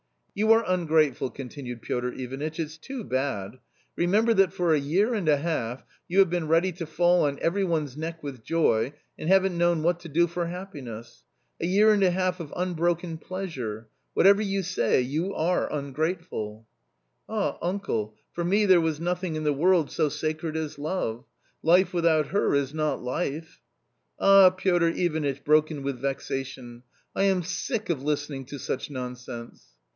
" You are ungrateful," continued Piotr Ivanitch, " it's too bad ! Remember that for a year and a half you have been ready to fall on every one's neck with joy, and haven't known what to do for happiness ! a year and a half of unbroken pleasure ! Whatever you say — you are ungrateful !"" Ah, uncle, for me there was nothing in the world so sacred as love —life without her is not life !" "Ah !" Piotr Ivanitch,. broken with vexation, " I am sick of listening to such nonsense